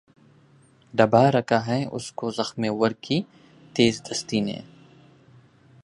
دبا رکھا ہے اس کو زخمہ ور کی تیز دستی نے